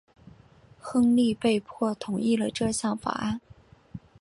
亨利被迫同意了这项法案。